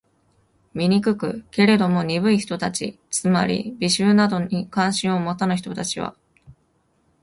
醜く？けれども、鈍い人たち（つまり、美醜などに関心を持たぬ人たち）は、